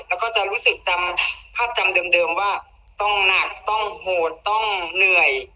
แล้วก็จะรู้สึกจำภาพจำเดิมว่าต้องหนักต้องโหดต้องเหนื่อย